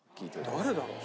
誰だろう？